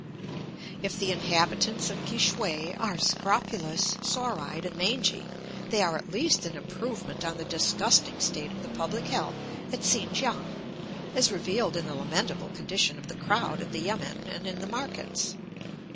If the inhabitants of Ki shway are scrofulous, sore eyed, and mangy, they are at least an improvement on the disgusting state of the public health at Sin kiang, as revealed in the lamentable condition of the crowd at the yamen and in the markets.